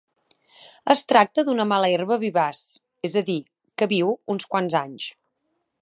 Es tracta d'una mala herba vivaç, és a dir que viu uns quants anys.